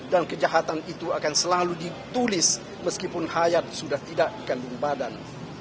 dan kejahatan itu akan selalu ditulis meskipun hayat sudah tidak dikandung badan